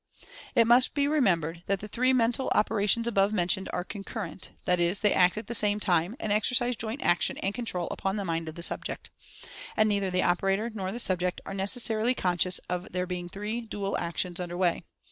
It must be remembered that the three mental opera tions above mentioned are concurrent, that is, they act at the same time, and exercise joint action and control upon the mind of the subject. And neither the opera tor nor the subject are necessarily conscious of there being three dual actions under way.